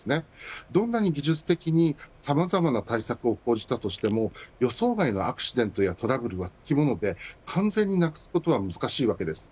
どんなに技術的にさまざまな対策を講じたとしても予想外のアクシデントやトラブルはつきもので完全になくすことは難しいわけです。